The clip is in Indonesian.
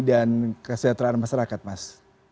dan kesejahteraan masyarakat mas